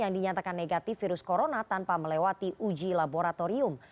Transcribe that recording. yang dinyatakan negatif virus corona tanpa melewati uji laboratorium